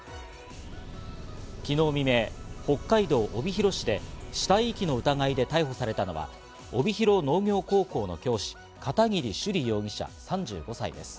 昨日未明、北海道帯広市で死体遺棄の疑いで逮捕されたのは、帯広農業高校の教師、片桐朱璃容疑者３５歳です。